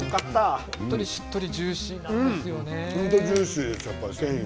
しっとりジューシーなんですよね。